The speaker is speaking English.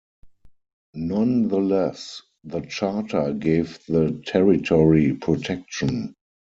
Nonetheless, the charter gave the territory protection.